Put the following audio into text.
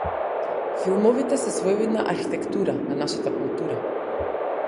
Филмовите се своевидна архитектура на нашата култура.